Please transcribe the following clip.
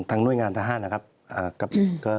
หน่วยงานทหารนะครับ